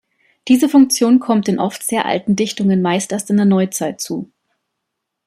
Diese Funktion kommt den oft sehr alten Dichtungen meist erst in der Neuzeit zu.